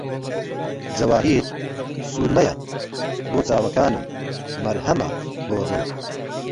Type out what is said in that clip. جەواهیرسورمەیە بۆ چاوەکانم، مەرهەمە بۆ دڵ